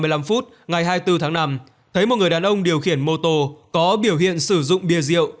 khoảng hai giờ ba mươi năm phút ngày hai mươi bốn tháng năm thấy một người đàn ông điều khiển mô tô có biểu hiện sử dụng bia rượu